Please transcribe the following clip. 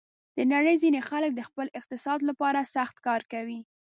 د نړۍ ځینې خلک د خپل اقتصاد لپاره سخت کار کوي.